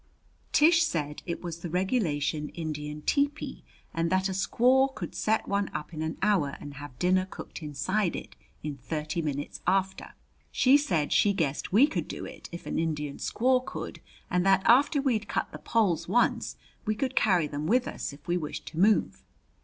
Tish said it was the regulation Indian tepee, and that a squaw could set one up in an hour and have dinner cooked inside it in thirty minutes after. She said she guessed we could do it if an Indian squaw could, and that after we'd cut the poles once, we could carry them with us if we wished to move.